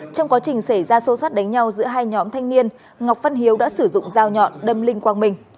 trong quá trình xảy ra xô sát đánh nhau giữa hai nhóm thanh niên ngọc phân hiếu đã sử dụng dao nhọn đâm linh quang minh